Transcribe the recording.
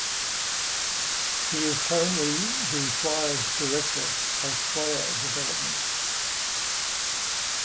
He is currently the Flyers Director of Player Development.